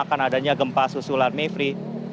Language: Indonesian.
karena adanya gempa susulan mevri